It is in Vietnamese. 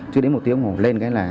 chưa đến một tiếng ngủ lên cái là